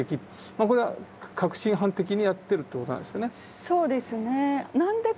これは確信犯的にやってるってことなんですよね。